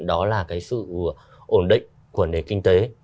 đó là sự ổn định của nền kinh tế